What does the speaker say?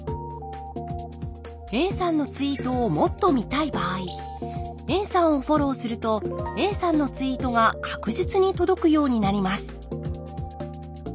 Ａさんのツイートをもっと見たい場合ＡさんをフォローするとＡさんのツイートが確実に届くようになります